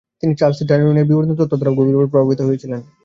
তিনি Charles Darwin এর বিবর্তন তত্ত্ব দ্বারাও গভীরভাবে প্রভাবিত হয়েছিলেন।